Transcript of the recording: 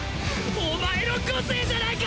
おまえの個性じゃないか！